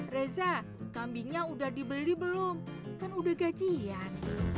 reza kambingnya udah dibeli belum kan udah gajian